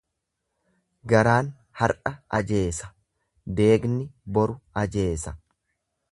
Garaan har'a ajeesa deegni boru ajeesa.